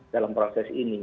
dalam proses ini